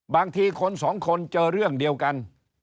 บางทีคน๒คนเจอเรื่องเดียวกัน